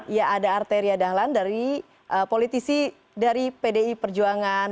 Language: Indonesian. ya ada arteria dahlan dari politisi dari pdi perjuangan